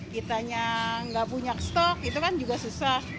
kita yang nggak punya stok itu kan juga susah